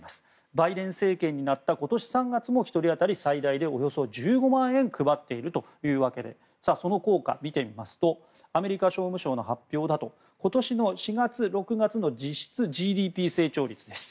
バイデン政権になった今年３月も１人当たり最大およそ１５万円配っているというわけでその効果を見てみますとアメリカ商務省の発表だと今年の４月６月の実質ＧＤＰ成長率です。